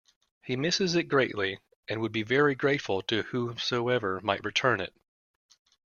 He misses it greatly and would be very grateful to whomsoever might return it.